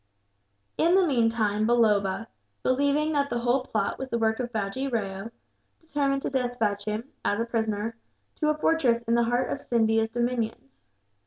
In the meantime Balloba, believing that the whole plot was the work of Bajee Rao, determined to despatch him, as a prisoner, to a fortress in the heart of Scindia's dominions.